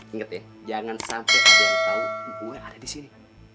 ingat ya jangan sampai aja yang tau gue ada disini